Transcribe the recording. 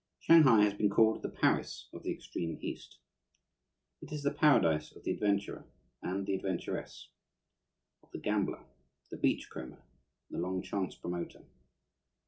Shanghai has been called the Paris of the extreme East. It is the paradise of the adventurer and the adventuress, of the gambler, the beach comber, and the long chance promoter.